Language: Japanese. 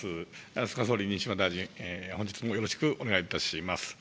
菅総理、西村大臣、本日もよろしくお願いいたします。